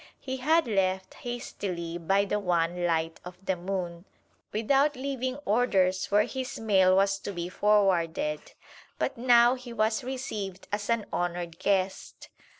He had left hastily by the wan light of the moon, without leaving orders where his mail was to be forwarded; but now he was received as an honored guest.